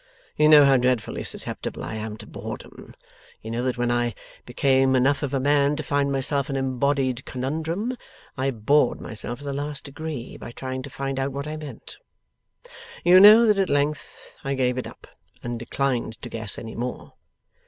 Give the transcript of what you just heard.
You know how dreadfully susceptible I am to boredom. You know that when I became enough of a man to find myself an embodied conundrum, I bored myself to the last degree by trying to find out what I meant. You know that at length I gave it up, and declined to guess any more.